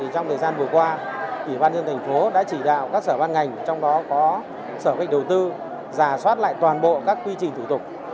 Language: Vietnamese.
trong thời gian vừa qua ủy ban nhân thành phố đã chỉ đạo các sở ban ngành trong đó có sở kế hoạch đầu tư giả soát lại toàn bộ các quy trình thủ tục